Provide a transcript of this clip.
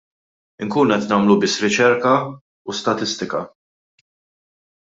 Inkunu qed nagħmlu biss riċerka u statistika.